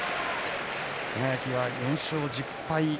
輝は４勝１０敗。